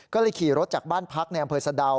ก็เลยขี่รถจากบ้านพักในอำเภอสะดาว